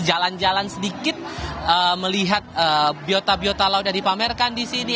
jalan jalan sedikit melihat biota biota laut yang dipamerkan di sini